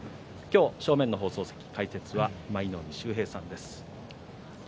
正面の放送席解説は舞の海秀平さんです。